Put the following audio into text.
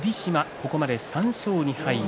ここまで３勝２敗。